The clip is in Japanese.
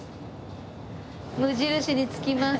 無印に着きます。